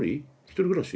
１人暮らし？